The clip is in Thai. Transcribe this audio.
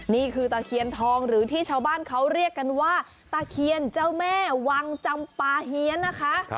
ตะเคียนทองหรือที่ชาวบ้านเขาเรียกกันว่าตะเคียนเจ้าแม่วังจำปาเฮียนนะคะ